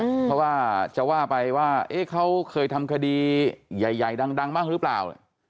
เพราะว่าจะว่าไปว่าเขาเคยทำคดีใหญ่ดังบ้างหรือเปล่า